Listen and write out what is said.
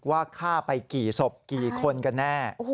ว่าฆ่าไปกี่ศพกี่คนกันแน่